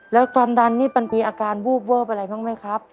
แล้วความดันนี่มันมีอาการวูบเวิบอะไรบ้างไหมครับ